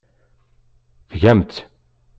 Tgam-tt.